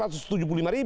ratusan ribu berarti